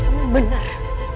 aku rasa kamu benar